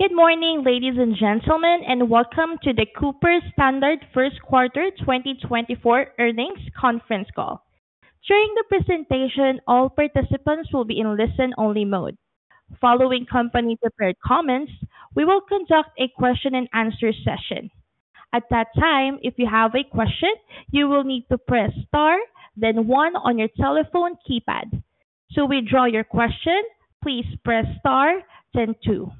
Good morning, ladies and gentlemen, and welcome to the Cooper Standard first quarter 2024 earnings conference call. During the presentation, all participants will be in listen-only mode. Following company-prepared comments, we will conduct a question-and-answer session. At that time, if you have a question, you will need to press star, then one on your telephone keypad. To withdraw your question, please press star then two.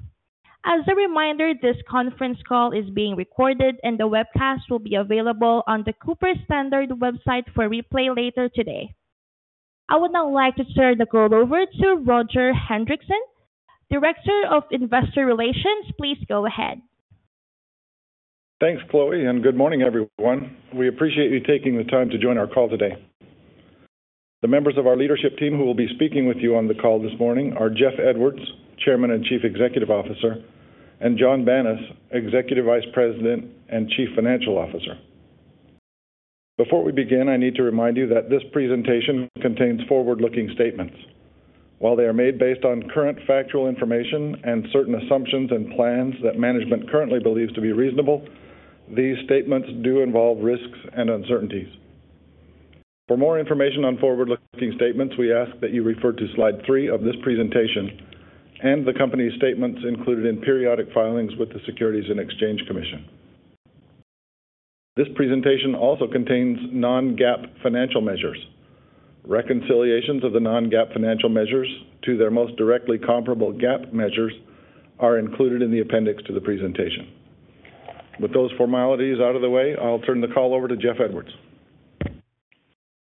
As a reminder, this conference call is being recorded, and the webcast will be available on the Cooper Standard website for replay later today. I would now like to turn the call over to Roger Hendriksen, Director of Investor Relations. Please go ahead. Thanks, Chloe, and good morning, everyone. We appreciate you taking the time to join our call today. The members of our leadership team who will be speaking with you on the call this morning are Jeff Edwards, Chairman and Chief Executive Officer, and Jonathan Banas, Executive Vice President and Chief Financial Officer. Before we begin, I need to remind you that this presentation contains forward-looking statements. While they are made based on current factual information and certain assumptions and plans that management currently believes to be reasonable, these statements do involve risks and uncertainties. For more information on forward-looking statements, we ask that you refer to slide three of this presentation and the company's statements included in periodic filings with the Securities and Exchange Commission. This presentation also contains non-GAAP financial measures. Reconciliations of the non-GAAP financial measures to their most directly comparable GAAP measures are included in the appendix to the presentation. With those formalities out of the way, I'll turn the call over to Jeff Edwards.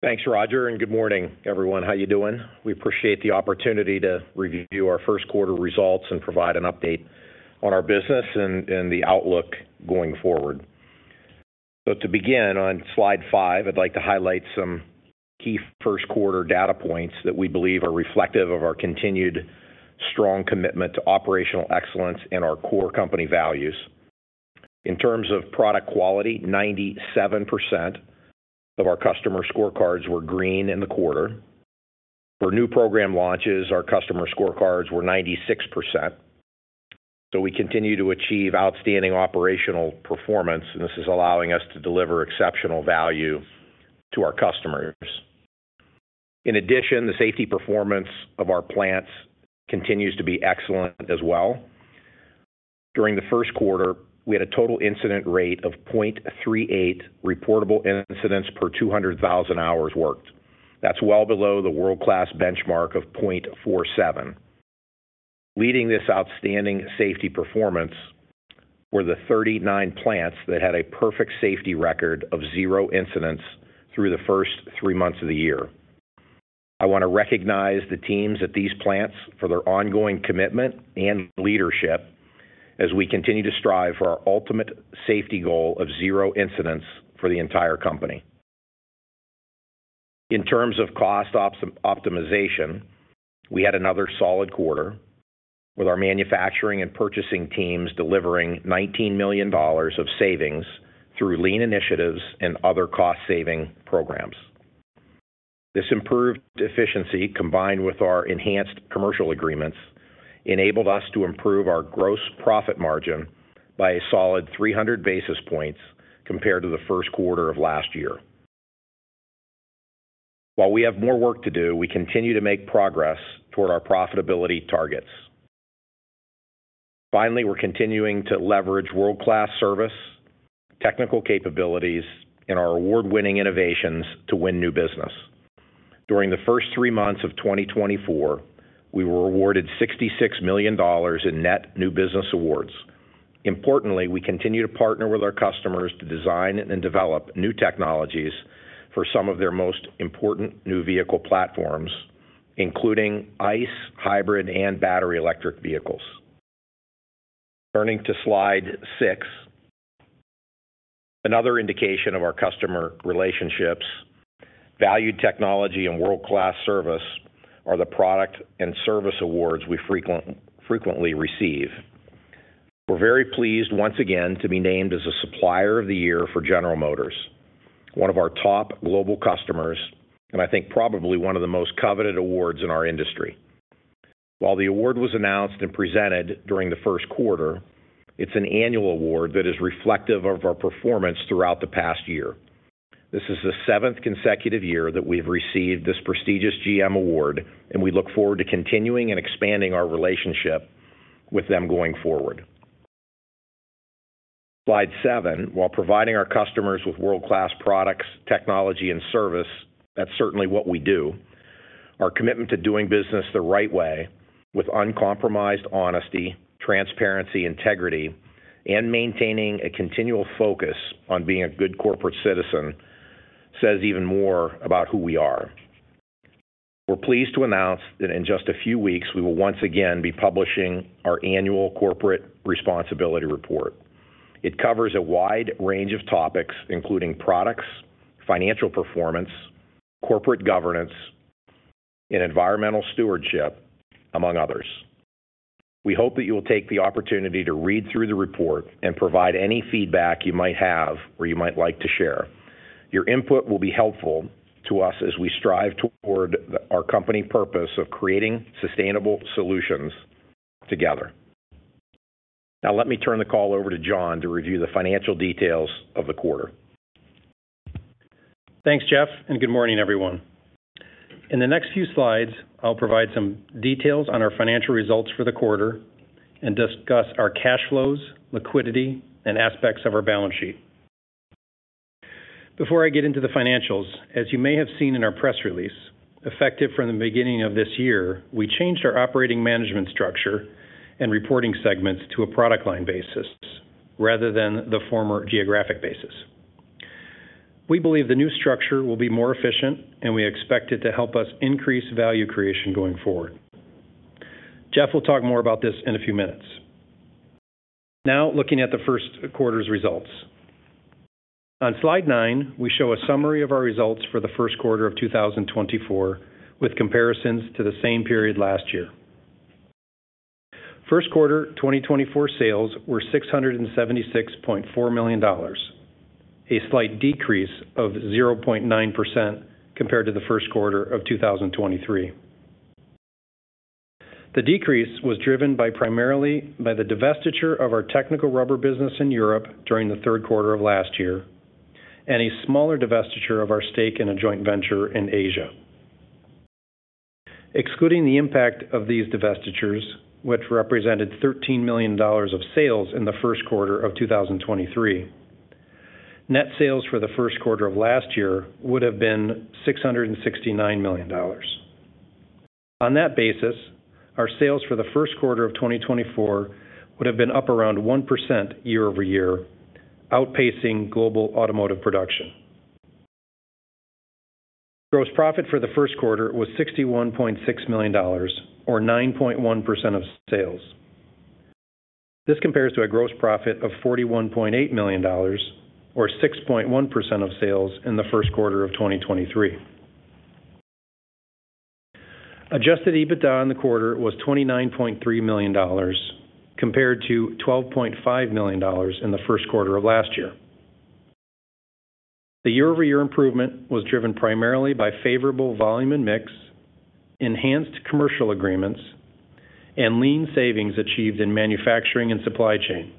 Thanks, Roger, and good morning, everyone. How you doing? We appreciate the opportunity to review our first quarter results and provide an update on our business and the outlook going forward. So to begin, on slide five, I'd like to highlight some key first quarter data points that we believe are reflective of our continued strong commitment to operational excellence and our core company values. In terms of product quality, 97% of our customer scorecards were green in the quarter. For new program launches, our customer scorecards were 96%. So we continue to achieve outstanding operational performance, and this is allowing us to deliver exceptional value to our customers. In addition, the safety performance of our plants continues to be excellent as well. During the first quarter, we had a total incident rate of 0.38 reportable incidents per 200,000 hours worked. That's well below the world-class benchmark of 0.47. Leading this outstanding safety performance were the 39 plants that had a perfect safety record of zero incidents through the first three months of the year. I wanna recognize the teams at these plants for their ongoing commitment and leadership as we continue to strive for our ultimate safety goal of zero incidents for the entire company. In terms of cost optimization, we had another solid quarter, with our manufacturing and purchasing teams delivering $19 million of savings through lean initiatives and other cost-saving programs. This improved efficiency, combined with our enhanced commercial agreements, enabled us to improve our gross profit margin by a solid 300 basis points compared to the first quarter of last year. While we have more work to do, we continue to make progress toward our profitability targets. Finally, we're continuing to leverage world-class service, technical capabilities, and our award-winning innovations to win new business. During the first three months of 2024, we were awarded $66 million in net new business awards. Importantly, we continue to partner with our customers to design and develop new technologies for some of their most important new vehicle platforms, including ICE, hybrid, and battery electric vehicles. Turning to slide six. Another indication of our customer relationships, valued technology and world-class service, are the product and service awards we frequently receive. We're very pleased once again to be named as a Supplier of the Year for General Motors, one of our top global customers, and I think probably one of the most coveted awards in our industry. While the award was announced and presented during the first quarter, it's an annual award that is reflective of our performance throughout the past year. This is the seventh consecutive year that we've received this prestigious GM award, and we look forward to continuing and expanding our relationship with them going forward. Slide seven. While providing our customers with world-class products, technology, and service, that's certainly what we do. Our commitment to doing business the right way with uncompromised honesty, transparency, integrity, and maintaining a continual focus on being a good corporate citizen says even more about who we are. We're pleased to announce that in just a few weeks, we will once again be publishing our annual Corporate Responsibility Report. It covers a wide range of topics, including products, financial performance, corporate governance, and environmental stewardship, among others. We hope that you will take the opportunity to read through the report and provide any feedback you might have or you might like to share.... Your input will be helpful to us as we strive toward the, our company purpose of Creating Sustainable Solutions Together. Now, let me turn the call over to Jon to review the financial details of the quarter. Thanks, Jeff, and good morning, everyone. In the next few slides, I'll provide some details on our financial results for the quarter and discuss our cash flows, liquidity, and aspects of our balance sheet. Before I get into the financials, as you may have seen in our press release, effective from the beginning of this year, we changed our operating management structure and reporting segments to a product line basis rather than the former geographic basis. We believe the new structure will be more efficient, and we expect it to help us increase value creation going forward. Jeff will talk more about this in a few minutes. Now, looking at the first quarter's results. On slide nine, we show a summary of our results for the first quarter of 2024, with comparisons to the same period last year. First quarter 2024 sales were $676.4 million, a slight decrease of 0.9% compared to the first quarter of 2023. The decrease was driven primarily by the divestiture of our Technical Rubber business in Europe during the third quarter of last year, and a smaller divestiture of our stake in a joint venture in Asia. Excluding the impact of these divestitures, which represented $13 million of sales in the first quarter of 2023, net sales for the first quarter of last year would have been $669 million. On that basis, our sales for the first quarter of 2024 would have been up around 1% year-over-year, outpacing global automotive production. Gross profit for the first quarter was $61.6 million, or 9.1% of sales. This compares to a gross profit of $41.8 million or 6.1% of sales in the first quarter of 2023. Adjusted EBITDA in the quarter was $29.3 million, compared to $12.5 million in the first quarter of last year. The year-over-year improvement was driven primarily by favorable volume and mix, enhanced commercial agreements, and lean savings achieved in manufacturing and supply chain,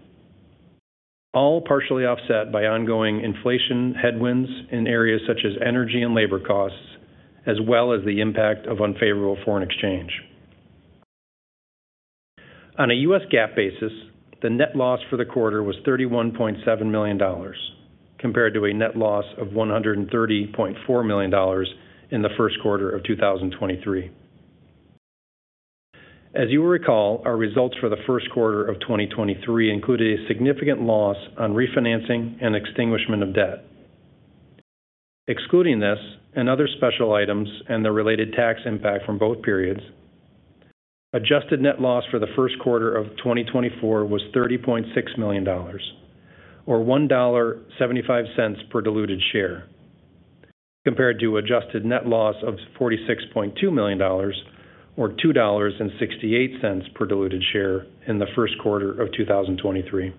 all partially offset by ongoing inflation headwinds in areas such as energy and labor costs, as well as the impact of unfavorable foreign exchange. On a U.S. GAAP basis, the net loss for the quarter was $31.7 million, compared to a net loss of $130.4 million in the first quarter of 2023. As you will recall, our results for the first quarter of 2023 included a significant loss on refinancing and extinguishment of debt. Excluding this and other special items and the related tax impact from both periods, adjusted net loss for the first quarter of 2024 was $30.6 million, or $1.75 per diluted share, compared to adjusted net loss of $46.2 million or $2.68 per diluted share in the first quarter of 2023.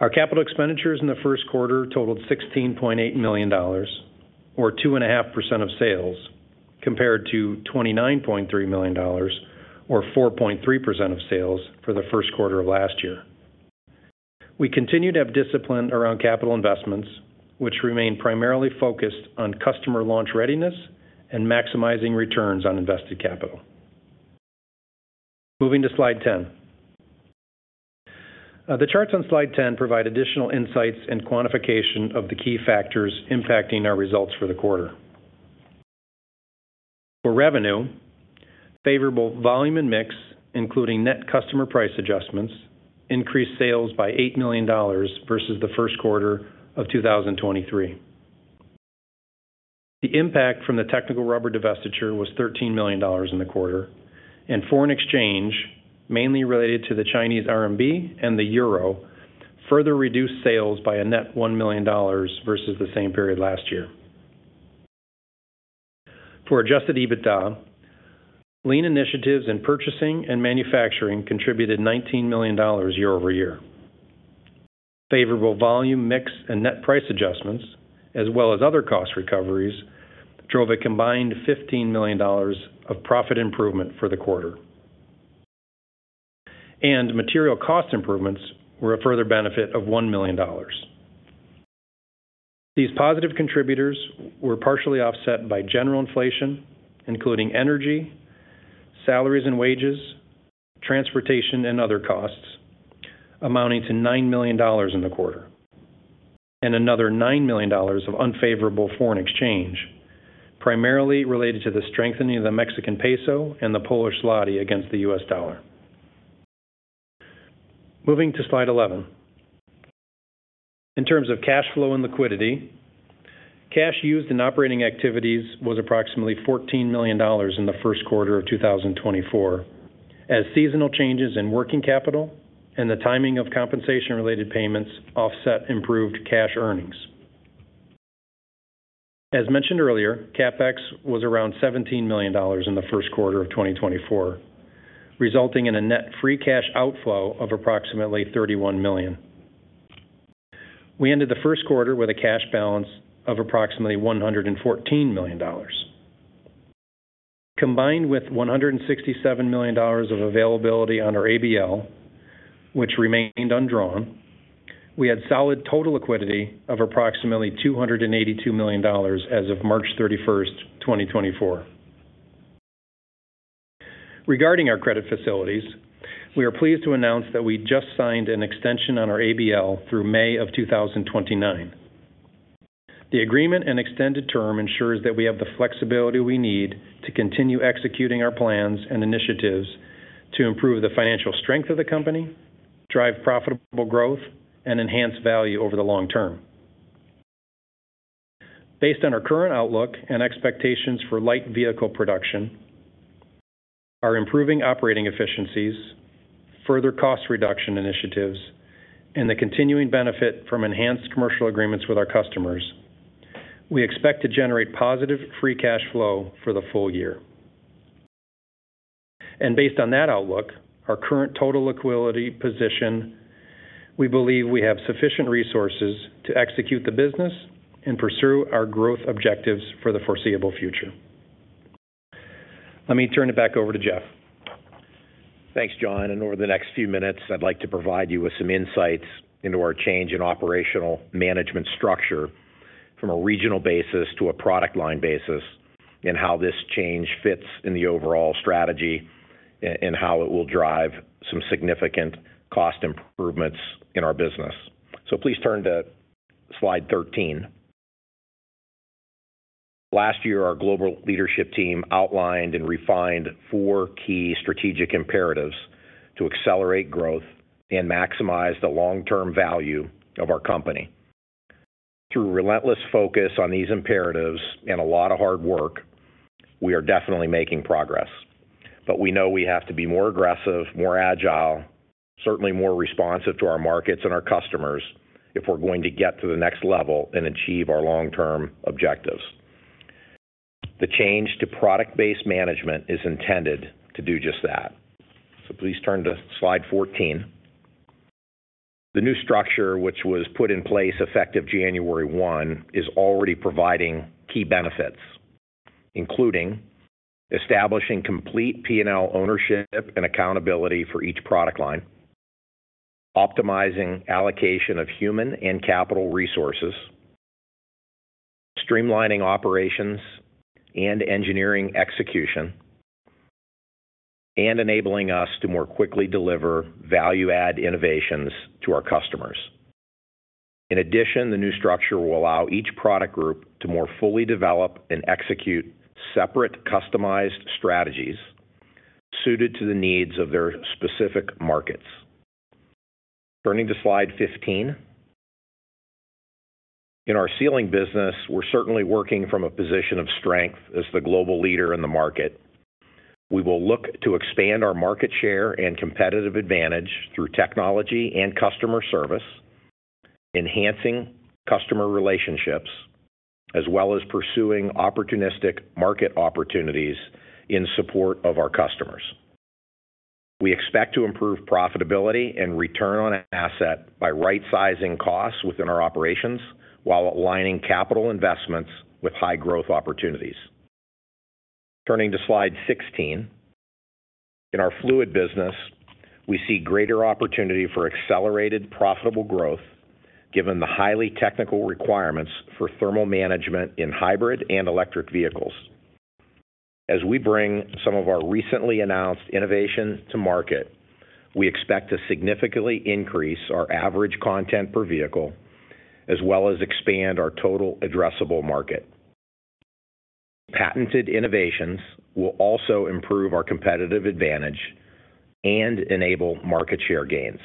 Our capital expenditures in the first quarter totaled $16.8 million, or 2.5% of sales, compared to $29.3 million or 4.3% of sales for the first quarter of last year. We continued to have discipline around capital investments, which remain primarily focused on customer launch readiness and maximizing returns on invested capital. Moving to slide 10. The charts on slide 10 provide additional insights and quantification of the key factors impacting our results for the quarter. For revenue, favorable volume and mix, including net customer price adjustments, increased sales by $8 million versus the first quarter of 2023. The impact from the Technical Rubber divestiture was $13 million in the quarter, and foreign exchange, mainly related to the Chinese RMB and the euro, further reduced sales by a net $1 million versus the same period last year. For adjusted EBITDA, lean initiatives in purchasing and manufacturing contributed $19 million year-over-year. Favorable volume mix and net price adjustments, as well as other cost recoveries, drove a combined $15 million of profit improvement for the quarter. Material cost improvements were a further benefit of $1 million. These positive contributors were partially offset by general inflation, including energy, salaries and wages, transportation, and other costs, amounting to $9 million in the quarter, and another $9 million of unfavorable foreign exchange, primarily related to the strengthening of the Mexican peso and the Polish zloty against the U.S. dollar. Moving to slide 11. In terms of cash flow and liquidity, cash used in operating activities was approximately $14 million in the first quarter of 2024, as seasonal changes in working capital and the timing of compensation-related payments offset improved cash earnings. As mentioned earlier, CapEx was around $17 million in the first quarter of 2024, resulting in a net free cash outflow of approximately $31 million. We ended the first quarter with a cash balance of approximately $114 million. Combined with $167 million of availability on our ABL, which remained undrawn, we had solid total liquidity of approximately $282 million as of March 31st, 2024. Regarding our credit facilities, we are pleased to announce that we just signed an extension on our ABL through May of 2029. The agreement and extended term ensures that we have the flexibility we need to continue executing our plans and initiatives to improve the financial strength of the company, drive profitable growth, and enhance value over the long term. Based on our current outlook and expectations for light vehicle production, our improving operating efficiencies, further cost reduction initiatives, and the continuing benefit from enhanced commercial agreements with our customers, we expect to generate positive free cash flow for the full year. And based on that outlook, our current total liquidity position, we believe we have sufficient resources to execute the business and pursue our growth objectives for the foreseeable future. Let me turn it back over to Jeff. Thanks, Jon. And over the next few minutes, I'd like to provide you with some insights into our change in operational management structure from a regional basis to a product line basis, and how this change fits in the overall strategy, and how it will drive some significant cost improvements in our business. So please turn to slide 13. Last year, our global leadership team outlined and refined four key strategic imperatives to accelerate growth and maximize the long-term value of our company. Through relentless focus on these imperatives and a lot of hard work, we are definitely making progress. But we know we have to be more aggressive, more agile, certainly more responsive to our markets and our customers, if we're going to get to the next level and achieve our long-term objectives. The change to product-based management is intended to do just that. Please turn to slide 14. The new structure, which was put in place effective January 1, is already providing key benefits, including establishing complete P&L ownership and accountability for each product line, optimizing allocation of human and capital resources, streamlining operations and engineering execution, and enabling us to more quickly deliver value-add innovations to our customers. In addition, the new structure will allow each product group to more fully develop and execute separate, customized strategies suited to the needs of their specific markets. Turning to slide 15. In our sealing business, we're certainly working from a position of strength as the global leader in the market. We will look to expand our market share and competitive advantage through technology and customer service, enhancing customer relationships, as well as pursuing opportunistic market opportunities in support of our customers. We expect to improve profitability and return on asset by right-sizing costs within our operations, while aligning capital investments with high growth opportunities. Turning to slide 16. In our fluid business, we see greater opportunity for accelerated profitable growth, given the highly technical requirements for thermal management in hybrid and electric vehicles. As we bring some of our recently announced innovation to market, we expect to significantly increase our average content per vehicle, as well as expand our total addressable market. Patented innovations will also improve our competitive advantage and enable market share gains.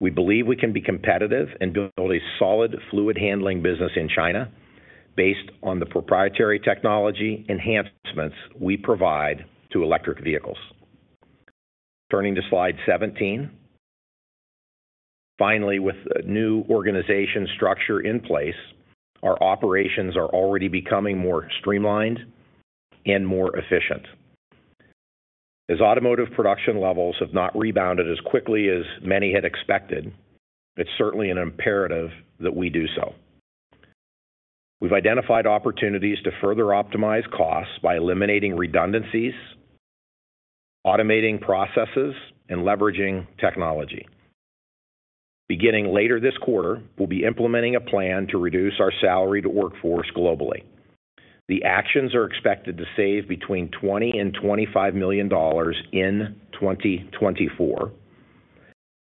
We believe we can be competitive and build a solid Fluid Handling business in China based on the proprietary technology enhancements we provide to electric vehicles. Turning to slide 17. Finally, with a new organization structure in place, our operations are already becoming more streamlined and more efficient. As automotive production levels have not rebounded as quickly as many had expected, it's certainly an imperative that we do so. We've identified opportunities to further optimize costs by eliminating redundancies, automating processes, and leveraging technology. Beginning later this quarter, we'll be implementing a plan to reduce our salaried workforce globally. The actions are expected to save between $20 million and $25 million in 2024,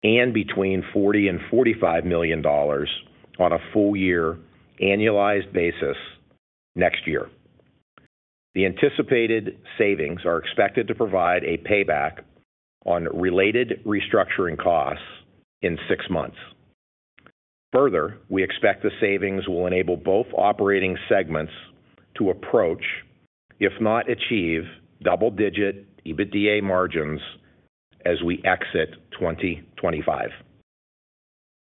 and between $40 million and $45 million on a full year annualized basis next year. The anticipated savings are expected to provide a payback on related restructuring costs in six months. Further, we expect the savings will enable both operating segments to approach, if not achieve, double-digit EBITDA margins as we exit 2025....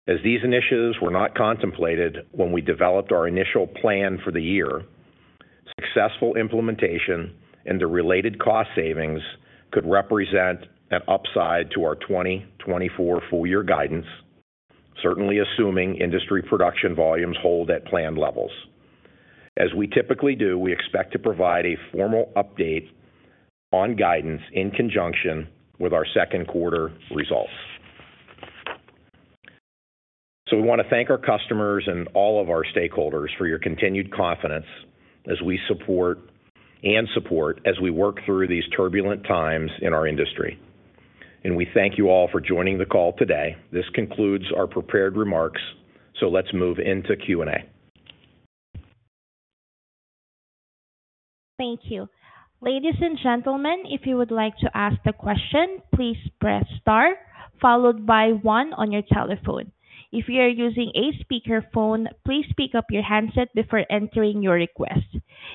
As these initiatives were not contemplated when we developed our initial plan for the year, successful implementation and the related cost savings could represent an upside to our 2024 full year guidance, certainly assuming industry production volumes hold at planned levels. As we typically do, we expect to provide a formal update on guidance in conjunction with our second quarter results. So we wanna thank our customers and all of our stakeholders for your continued confidence as we support as we work through these turbulent times in our industry. And we thank you all for joining the call today. This concludes our prepared remarks, so let's move into Q&A. Thank you. Ladies and gentlemen, if you would like to ask the question, please press star, followed by one on your telephone. If you are using a speakerphone, please pick up your handset before entering your request.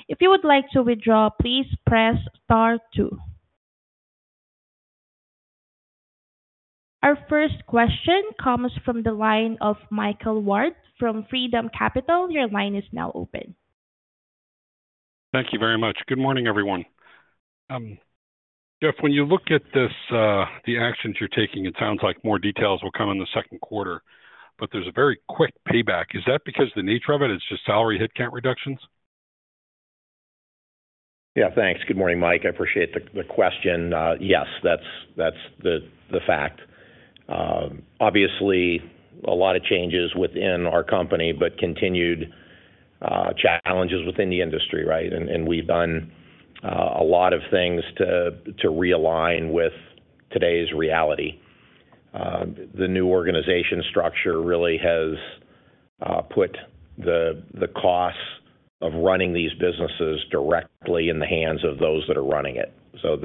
If you would like to withdraw, please press star two. Our first question comes from the line of Michael Ward from Freedom Capital Markets. Your line is now open. Thank you very much. Good morning, everyone. Jeff, when you look at this, the actions you're taking, it sounds like more details will come in the second quarter, but there's a very quick payback. Is that because the nature of it, it's just salary headcount reductions? Yeah, thanks. Good morning, Mike. I appreciate the question. Yes, that's the fact. Obviously, a lot of changes within our company, but continued challenges within the industry, right? And we've done a lot of things to realign with today's reality. The new organization structure really has put the costs of running these businesses directly in the hands of those that are running it. So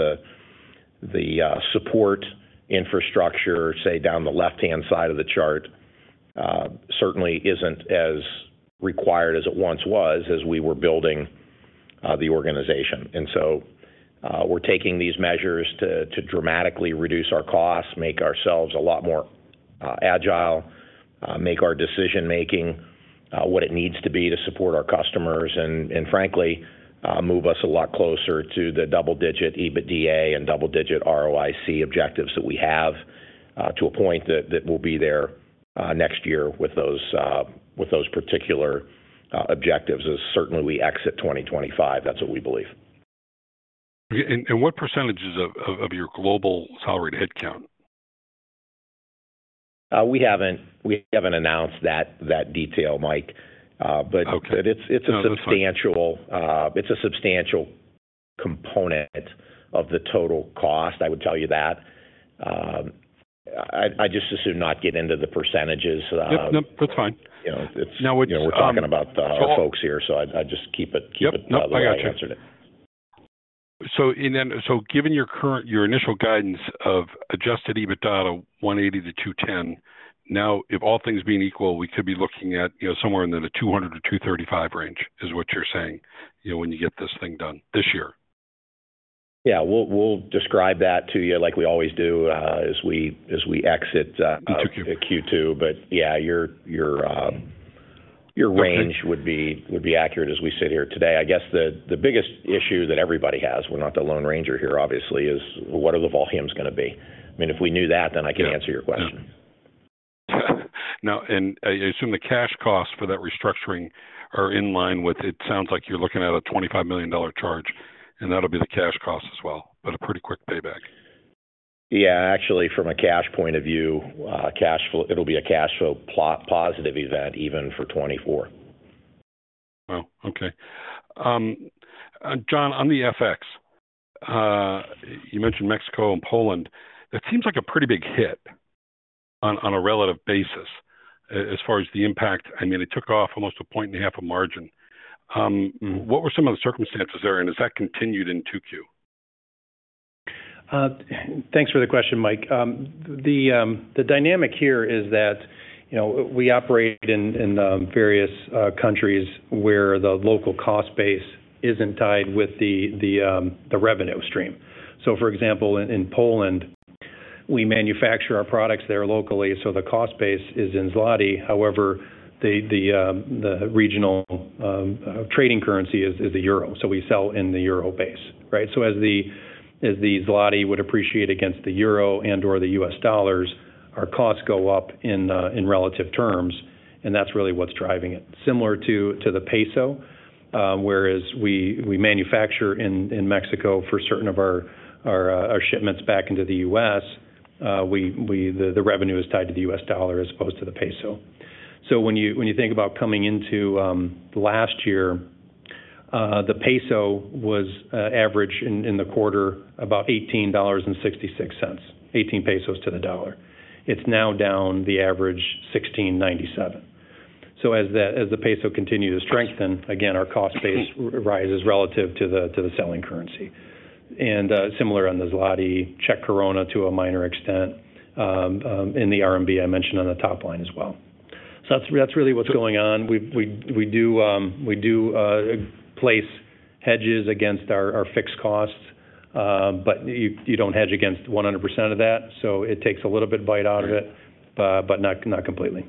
the support infrastructure, say, down the left-hand side of the chart, certainly isn't as required as it once was as we were building the organization. So, we're taking these measures to, to dramatically reduce our costs, make ourselves a lot more, agile, make our decision-making, what it needs to be to support our customers, and, and frankly, move us a lot closer to the double-digit EBITDA and double-digit ROIC objectives that we have, to a point that, that will be there, next year with those, with those particular, objectives as certainly we exit 2025. That's what we believe. And what percentages of your global salaried headcount? We haven't announced that detail, Mike. But- Okay. It's a substantial- No, that's fine. It's a substantial component of the total cost, I would tell you that. I just as soon not get into the percentages, Yep. Nope, that's fine. You know, it's- Now it's. You know, we're talking about the folks here, so I just keep it, keep it- Yep. The way I answered it. Given your current, your initial guidance of Adjusted EBITDA, $180-$210, now, if all things being equal, we could be looking at, you know, somewhere in the $200-$235 range, is what you're saying, you know, when you get this thing done this year? Yeah. We'll describe that to you like we always do, as we exit- Q2. Q2. But yeah, your range would be- Okay. Would be accurate as we sit here today. I guess the biggest issue that everybody has, we're not the lone ranger here, obviously, is what are the volumes gonna be? I mean, if we knew that, then I can answer your question. Yeah. Now, and I assume the cash costs for that restructuring are in line with... It sounds like you're looking at a $25 million charge, and that'll be the cash cost as well, but a pretty quick payback. Yeah, actually, from a cash point of view, cash flow, it'll be a cash flow positive event, even for 2024. Wow! Okay. Jon, on the FX, you mentioned Mexico and Poland. It seems like a pretty big hit on a relative basis. As far as the impact, I mean, it took off almost 1.5 points a margin. What were some of the circumstances there, and has that continued in Q2? Thanks for the question, Mike. The dynamic here is that, you know, we operate in various countries where the local cost base isn't tied with the revenue stream. So for example, in Poland, we manufacture our products there locally, so the cost base is in zloty. However, the regional trading currency is the euro. So we sell in the euro base, right? So as the zloty would appreciate against the euro and/or the U.S. dollars, our costs go up in relative terms, and that's really what's driving it. Similar to the peso, whereas we manufacture in Mexico for certain of our shipments back into the U.S., the revenue is tied to the U.S. dollar as opposed to the peso. So when you think about coming into last year, the peso was average in the quarter, about $18.66, 18 pesos to the dollar. It's now down the average 16.97. So as the peso continued to strengthen, again, our cost base rises relative to the selling currency. And similar on the zloty, Czech koruna to a minor extent, in the RMB, I mentioned on the top line as well. So that's really what's going on. We do place hedges against our fixed costs, but you don't hedge against 100% of that, so it takes a little bit bite out of it, but not completely.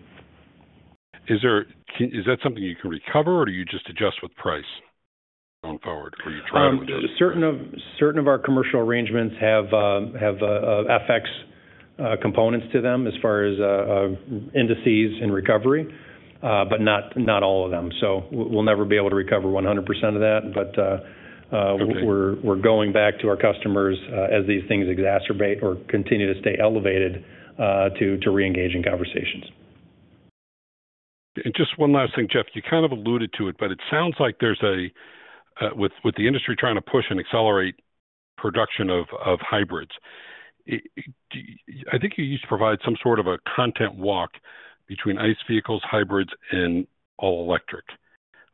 Is that something you can recover, or do you just adjust with price going forward, or you try to adjust? Certain of our commercial arrangements have FX components to them as far as indices and recovery, but not all of them. So we'll never be able to recover 100% of that. But, Okay. We're going back to our customers as these things exacerbate or continue to stay elevated to reengage in conversations. Just one last thing, Jeff. You kind of alluded to it, but it sounds like there's a With the industry trying to push and accelerate production of hybrids. I think you used to provide some sort of a content walk between ICE vehicles, hybrids, and all electric.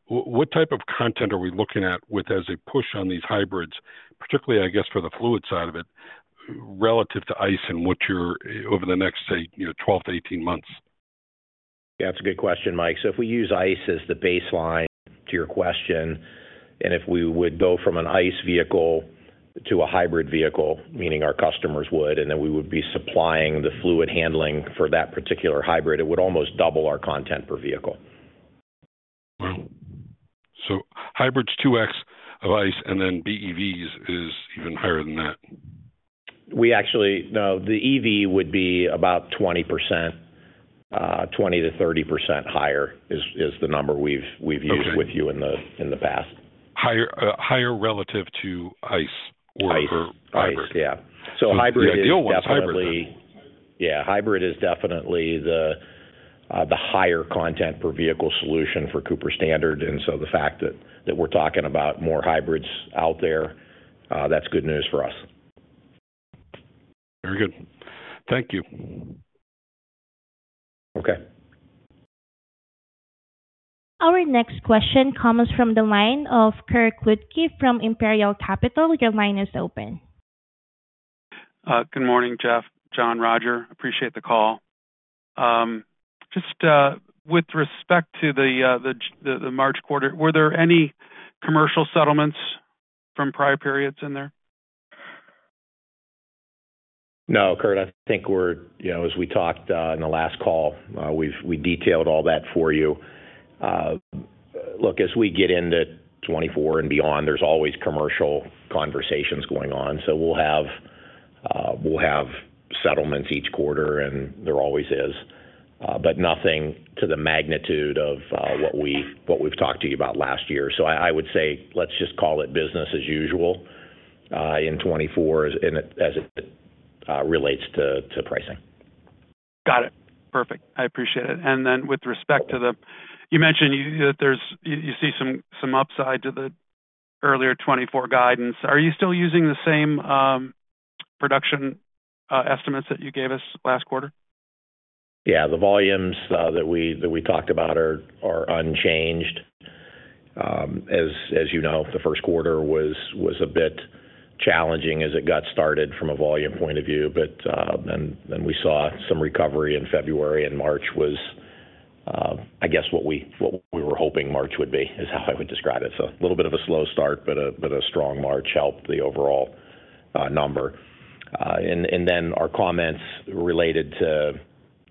What type of content are we looking at with as a push on these hybrids, particularly, I guess, for the fluid side of it, relative to ICE and what you're over the next, say, you know, 12-18 months? That's a good question, Mike. So if we use ICE as the baseline to your question, and if we would go from an ICE vehicle to a hybrid vehicle, meaning our customers would, and then we would be supplying the fluid handling for that particular hybrid, it would almost double our content per vehicle. Wow! So hybrids 2x of ICE, and then BEVs is even higher than that. We actually... No, the EV would be about 20%, 20%-30% higher, is the number we've used- Okay. with you in the past. Higher, higher relative to ICE or- ICE. - hybrid. ICE, yeah. The ideal one is hybrid then? Yeah, hybrid is definitely the higher content per vehicle solution for Cooper Standard. And so the fact that we're talking about more hybrids out there, that's good news for us. Very good. Thank you. Okay. Our next question comes from the line of Kirk Ludtke from Imperial Capital. Your line is open. Good morning, Jeff, Jon, Roger. Appreciate the call. Just, with respect to the March quarter, were there any commercial settlements from prior periods in there? No, Kirk, I think we're... You know, as we talked in the last call, we've we detailed all that for you. Look, as we get into 2024 and beyond, there's always commercial conversations going on. So we'll have, we'll have settlements each quarter, and there always is, but nothing to the magnitude of what we've, what we've talked to you about last year. So I, I would say, let's just call it business as usual in 2024, as it, as it relates to pricing. Got it. Perfect. I appreciate it. And then with respect to the... You mentioned that there's you see some upside to the earlier 2024 guidance. Are you still using the same production estimates that you gave us last quarter? Yeah, the volumes that we talked about are unchanged. As you know, the first quarter was a bit challenging as it got started from a volume point of view. But then we saw some recovery in February, and March was, I guess, what we were hoping March would be, is how I would describe it. So a little bit of a slow start, but a strong March helped the overall number. And then our comments related to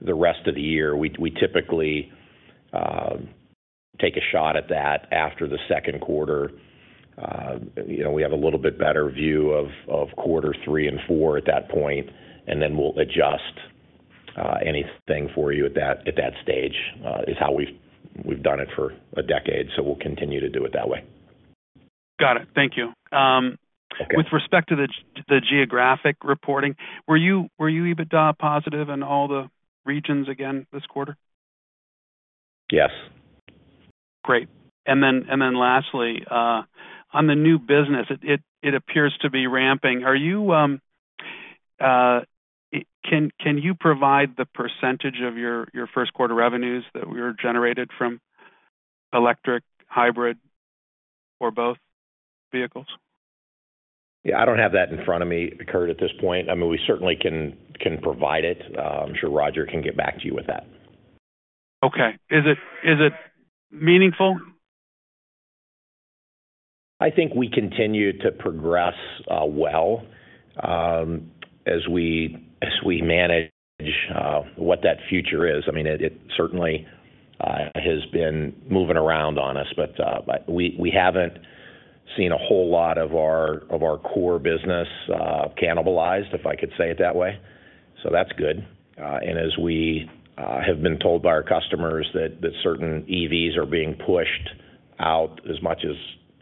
the rest of the year, we typically take a shot at that after the second quarter. You know, we have a little bit better view of quarter three and four at that point, and then we'll adjust anything for you at that stage. This is how we've done it for a decade, so we'll continue to do it that way. Got it. Thank you. Okay. With respect to the geographic reporting, were you EBITDA positive in all the regions again this quarter? Yes. Great. And then lastly, on the new business, it appears to be ramping. Can you provide the percentage of your first quarter revenues that were generated from electric, hybrid, or both vehicles? Yeah, I don't have that in front of me, Kirk, at this point. I mean, we certainly can, can provide it. I'm sure Roger can get back to you with that. Okay. Is it, is it meaningful? I think we continue to progress, well, as we, as we manage, what that future is. I mean, it, it certainly, has been moving around on us, but, but we, we haven't seen a whole lot of our, of our core business, cannibalized, if I could say it that way. So that's good. And as we, have been told by our customers that, that certain EVs are being pushed out as much as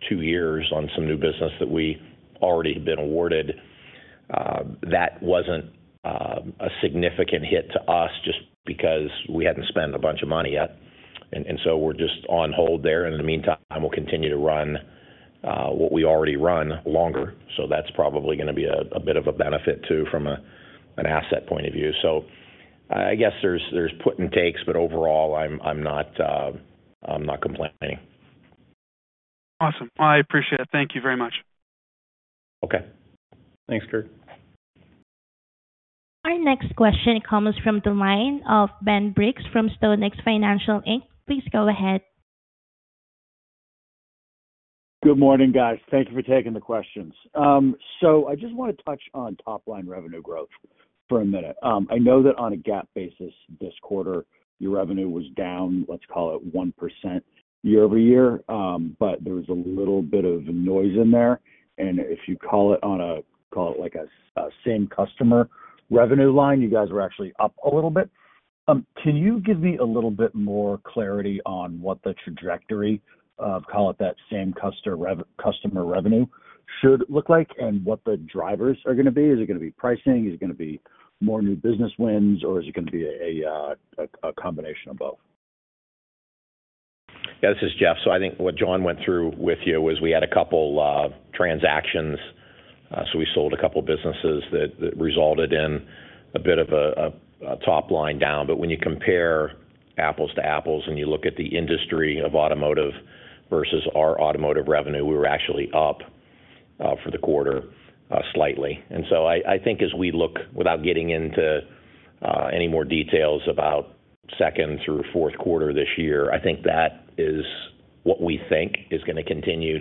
two years on some new business that we already had been awarded, that wasn't, a significant hit to us just because we hadn't spent a bunch of money yet. And, and so we're just on hold there, and in the meantime, we'll continue to run, what we already run longer. So that's probably gonna be a bit of a benefit, too, from an asset point of view. So I guess there's put and takes, but overall, I'm not complaining. Awesome. I appreciate it. Thank you very much. Okay. Thanks, Kirk. Our next question comes from the line of Ben Briggs from StoneX Financial Inc. Please go ahead. Good morning, guys. Thank you for taking the questions. So I just want to touch on top-line revenue growth for a minute. I know that on a GAAP basis this quarter, your revenue was down, let's call it 1% year-over-year. But there was a little bit of noise in there, and if you call it call it like a same customer revenue line, you guys were actually up a little bit. Can you give me a little bit more clarity on what the trajectory of, call it, that same customer revenue should look like, and what the drivers are gonna be? Is it gonna be pricing, is it gonna be more new business wins, or is it gonna be a combination of both? Yeah, this is Jeff. So I think what Jon went through with you was we had a couple transactions, so we sold a couple businesses that resulted in a bit of a top line down. But when you compare apples to apples, and you look at the industry of automotive versus our automotive revenue, we were actually up for the quarter, slightly. And so I think as we look without getting into any more details about second through fourth quarter this year, I think that is what we think is gonna continue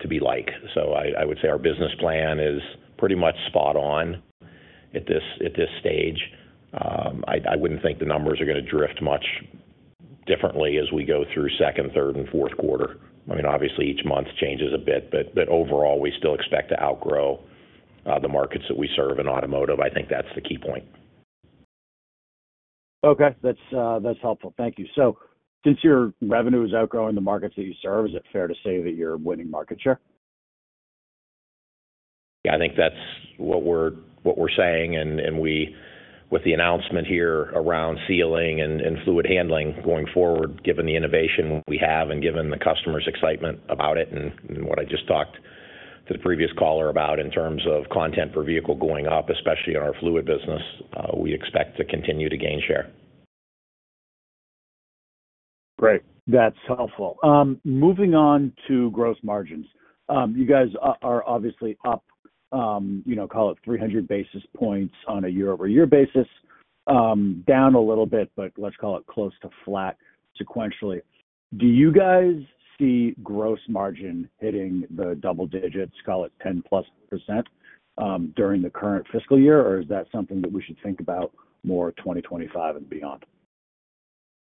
to be like. So I would say our business plan is pretty much spot on at this stage. I wouldn't think the numbers are gonna drift much differently as we go through second, third, and fourth quarter. I mean, obviously each month changes a bit, but overall, we still expect to outgrow the markets that we serve in automotive. I think that's the key point. Okay. That's, that's helpful. Thank you. So since your revenue is outgrowing the markets that you serve, is it fair to say that you're winning market share? Yeah, I think that's what we're, what we're saying, and with the announcement here around Sealing and Fluid Handling going forward, given the innovation we have and given the customers' excitement about it, and what I just talked to the previous caller about in terms of content per vehicle going up, especially in our fluid business, we expect to continue to gain share. Great. That's helpful. Moving on to gross margins. You guys are obviously up, you know, call it 300 basis points on a year-over-year basis, down a little bit, but let's call it close to flat sequentially. Do you guys see gross margin hitting the double digits, call it 10%+, during the current fiscal year, or is that something that we should think about more 2025 and beyond?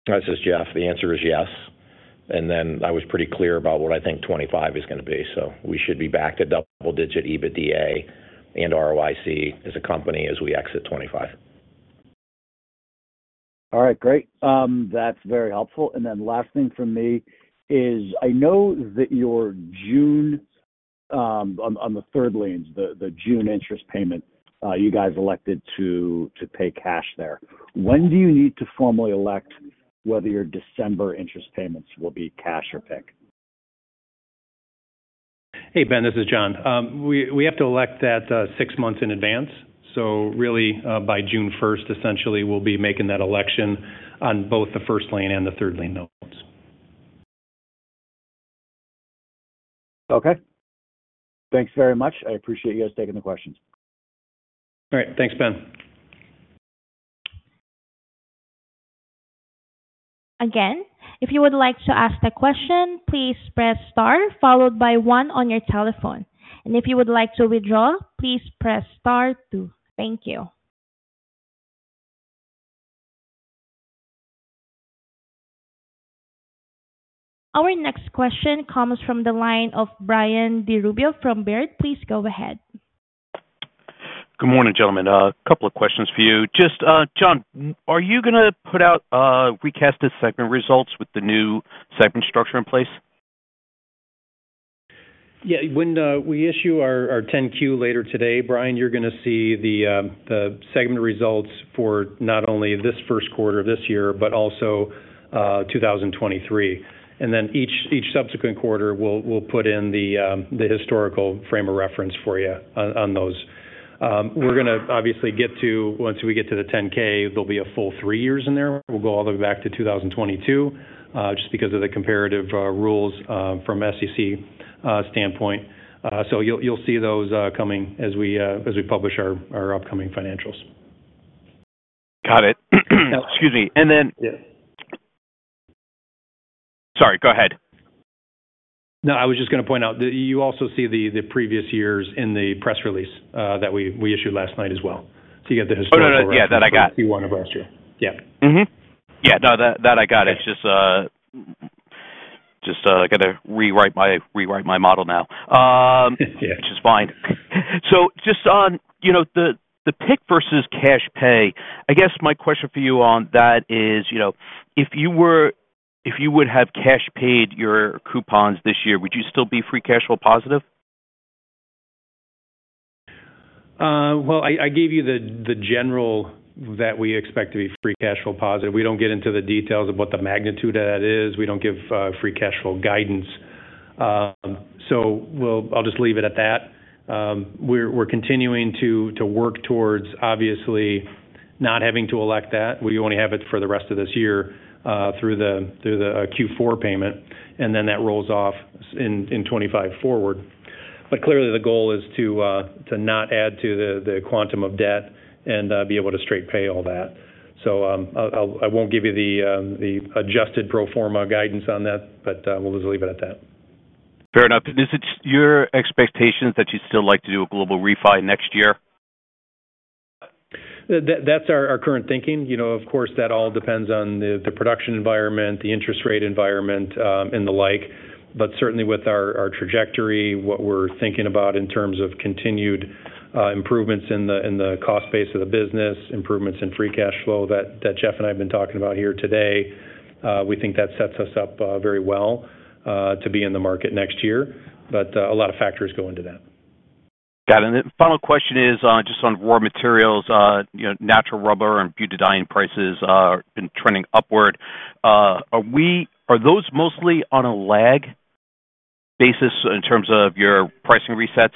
This is Jeff. The answer is yes, and then I was pretty clear about what I think 2025 is gonna be. So we should be back at double-digit EBITDA and ROIC as a company as we exit 2025. All right, great. That's very helpful. And then last thing from me is, I know that your June interest payment on the third liens, you guys elected to pay cash there. When do you need to formally elect whether your December interest payments will be cash or PIK? Hey, Ben, this is Jon. We have to elect that six months in advance. So really, by June first, essentially, we'll be making that election on both the first lien and the third lien notes. Okay. Thanks very much. I appreciate you guys taking the questions. All right, thanks, Ben. Again, if you would like to ask a question, please press star, followed by one on your telephone. And if you would like to withdraw, please press star two. Thank you. Our next question comes from the line of Brian DiRubbio from Baird. Please go ahead. Good morning, gentlemen. A couple of questions for you. Just, Jon, are you gonna put out recast segment results with the new segment structure in place? Yeah, when we issue our 10-Q later today, Brian, you're gonna see the segment results for not only this first quarter this year but also 2023. And then each subsequent quarter, we'll put in the historical frame of reference for you on those. We're gonna obviously get to... Once we get to the 10-K, there'll be a full three years in there. We'll go all the way back to 2022, just because of the comparative rules from SEC standpoint. So you'll see those coming as we publish our upcoming financials. Got it. Excuse me. And then- Yeah. Sorry, go ahead. No, I was just gonna point out that you also see the previous years in the press release that we issued last night as well. So you get the historical- Oh, no, no. Yeah, that I got. Q1 of last year. Yeah. Mm-hmm. Yeah, no, that I got it. It's just gotta rewrite my model now. Yeah. Which is fine. So just on, you know, the PIK versus cash pay, I guess my question for you on that is, you know, if you would have cash paid your coupons this year, would you still be free cash flow positive? Well, I gave you the general that we expect to be free cash flow positive. We don't get into the details of what the magnitude of that is. We don't give free cash flow guidance. So we'll, I'll just leave it at that. We're continuing to work towards, obviously, not having to elect that. We only have it for the rest of this year, through the Q4 payment, and then that rolls off in 2025 forward. But clearly, the goal is to not add to the quantum of debt and be able to straight pay all that. So, I'll won't give you the adjusted pro forma guidance on that, but we'll just leave it at that. Fair enough. Is it your expectations that you'd still like to do a global refi next year? That's our current thinking. You know, of course, that all depends on the production environment, the interest rate environment, and the like. But certainly with our trajectory, what we're thinking about in terms of continued improvements in the cost base of the business, improvements in free cash flow that Jeff and I have been talking about here today, we think that sets us up very well to be in the market next year. But a lot of factors go into that. Got it. And the final question is, just on raw materials, you know, natural rubber and butadiene prices have been trending upward. Are those mostly on a lag basis in terms of your pricing resets?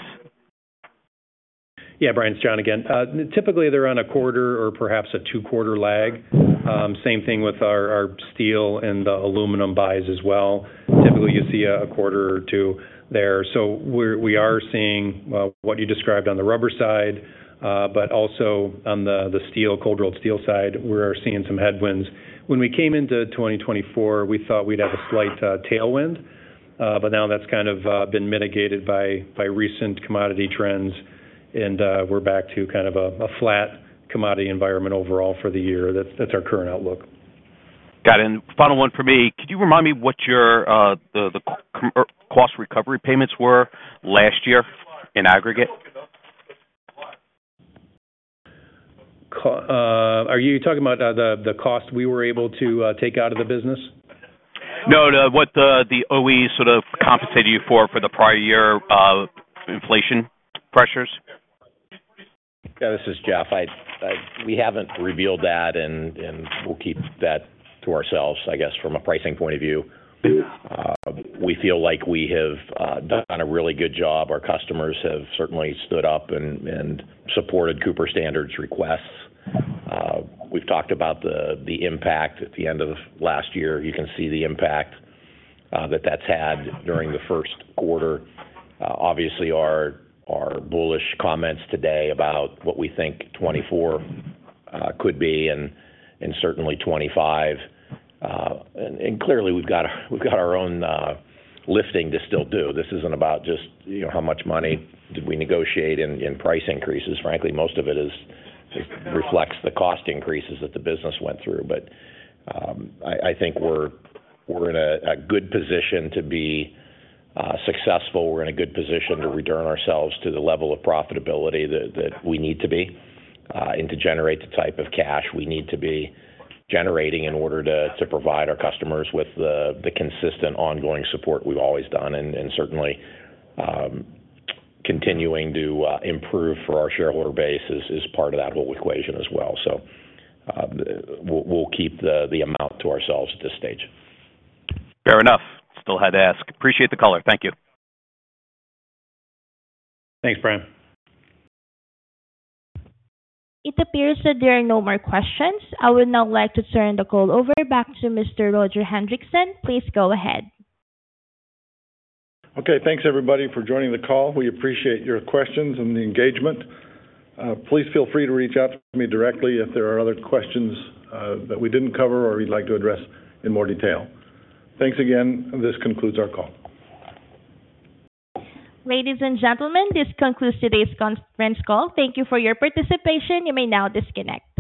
Yeah, Brian, it's Jon again. Typically, they're on a quarter or perhaps a two-quarter lag. Same thing with our steel and the aluminum buys as well. Typically, you see a quarter or two there. So we are seeing what you described on the rubber side, but also on the steel, cold-rolled steel side, we are seeing some headwinds. When we came into 2024, we thought we'd have a slight tailwind, but now that's kind of been mitigated by recent commodity trends, and we're back to kind of a flat commodity environment overall for the year. That's our current outlook. Got it. And final one for me. Could you remind me what your cost recovery payments were last year in aggregate? Are you talking about the cost we were able to take out of the business? No, the OE sort of compensated you for the prior year inflation pressures. Yeah, this is Jeff. We haven't revealed that, and we'll keep that to ourselves, I guess, from a pricing point of view. We feel like we have done a really good job. Our customers have certainly stood up and supported Cooper Standard's requests. We've talked about the impact at the end of last year. You can see the impact that that's had during the first quarter. Obviously, our bullish comments today about what we think 2024 could be and certainly 2025. Clearly, we've got our own lifting to still do. This isn't about just, you know, how much money did we negotiate in price increases. Frankly, most of it reflects the cost increases that the business went through. But I think we're in a good position to be successful. We're in a good position to return ourselves to the level of profitability that we need to be, and to generate the type of cash we need to be generating in order to provide our customers with the consistent ongoing support we've always done. And certainly, continuing to improve for our shareholder base is part of that whole equation as well. So, we'll keep the amount to ourselves at this stage. Fair enough. Still had to ask. Appreciate the call. Thank you. Thanks, Brian. It appears that there are no more questions. I would now like to turn the call over back to Mr. Roger Hendriksen. Please go ahead. Okay, thanks, everybody, for joining the call. We appreciate your questions and the engagement. Please feel free to reach out to me directly if there are other questions that we didn't cover or you'd like to address in more detail. Thanks again. This concludes our call. Ladies and gentlemen, this concludes today's conference call. Thank you for your participation. You may now disconnect.